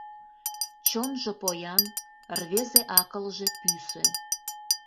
Чонжо поян, рвезе акылже пӱсӧ.